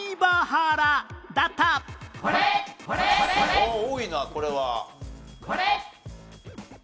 おっ多いなこれは。